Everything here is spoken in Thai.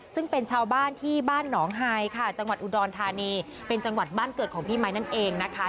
ซึ่งเป็นชาวบ้านที่บ้านหนองไฮค่ะจังหวัดอุดรธานีเป็นจังหวัดบ้านเกิดของพี่ไมค์นั่นเองนะคะ